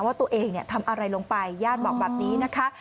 ว่าตัวเองทำอะไรลงไปญาติบอกแบบนี้นะคะ